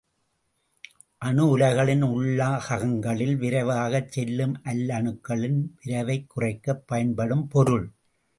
அணு உலைகளின் உள்ளகங்களில் விரைவாகச் செல்லும் அல்லணுக்களின் விரைவைக் குறைக்கப் பயன்படும் பொருள்.